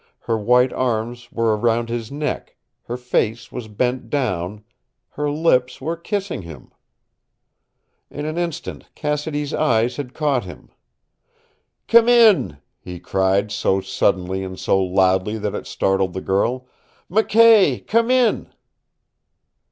Her white arms were around his neck, her face was bent down, her lips were kissing him. In an instant Cassidy's eyes had caught him. "Come in," he cried, so suddenly and so loudly that it startled the girl. "McKay, come in!"